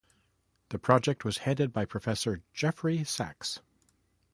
The Project was headed by Professor Jeffrey Sachs.